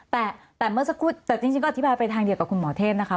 แต่เมื่อสักครู่แต่จริงก็อธิบายไปทางเดียวกับคุณหมอเทพนะคะ